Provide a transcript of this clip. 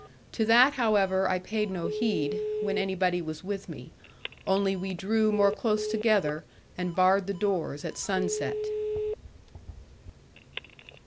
To that, however, I paid no heed, when anybody was with me; only we drew more close together, and barred the doors at sunset.